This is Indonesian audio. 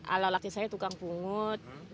ala laki saya tukang pungut